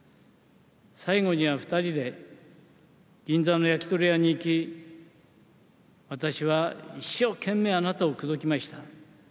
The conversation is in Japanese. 最後には、２人で銀座の焼き鳥屋に行き、私は一生懸命、あなたを口説きました。